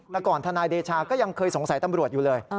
แต่ก่อนทนายเดชาก็ยังเคยสงสัยตำรวจอยู่เลย